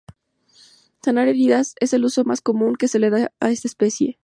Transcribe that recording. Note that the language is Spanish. Sanar heridas es el uso más común que se le da a esta especie.